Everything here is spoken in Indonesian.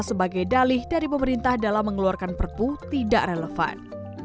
sebagai dalih dari pemerintah dalam mengeluarkan perpu tidak relevan